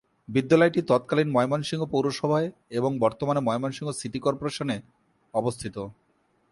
বিদ্যালয়টি তৎকালিন ময়মনসিংহ পৌরসভায় এবং বর্তমানে ময়মনসিংহ সিটি কর্পোরেশন এ অবস্থিত।